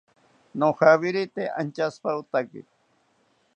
Nojawirite anchaishipawotake